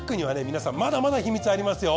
皆さんまだまだ秘密ありますよ。